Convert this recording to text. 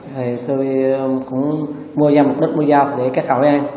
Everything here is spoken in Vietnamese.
thì tôi cũng mua ra mục đích mua dao để các cậu ấy ăn